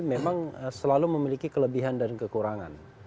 memang selalu memiliki kelebihan dan kekurangan